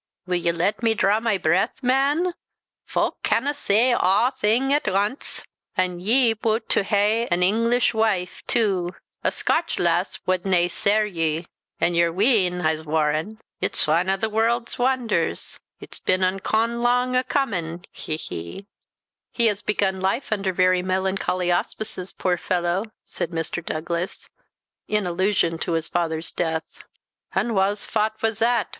Wull ye let me draw my breath, man? Fowk canna say awthing at ance. An' ye bute to hae an Inglish wife tu; a Scotch lass wad nae serr ye. An' ye're wean, I'se warran', it's ane o' the warld's wonders; it's been unco lang o' cummin he, he!" "He has begun life under very melancholy auspices, poor fellow!" said Mr. Douglas, in allusion to his father's death. "An' wha's faut was that?